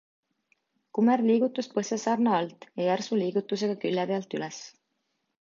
Kumer liigutus põsesarna alt ja järsu liigutusega külje pealt üles.